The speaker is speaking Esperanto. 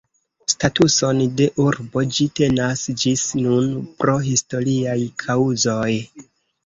Statuson de urbo ĝi tenas ĝis nun pro historiaj kaŭzoj.